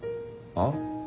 あっ？